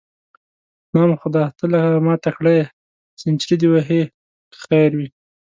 نام خدای، ته له ما تکړه یې، سنچري دې وهې که خیر وي.